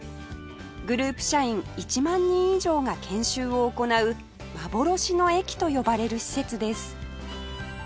グループ社員１万人以上が研修を行う幻の駅と呼ばれる施設です